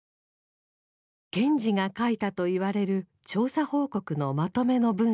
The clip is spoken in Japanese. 賢治が書いたといわれる調査報告のまとめの文章。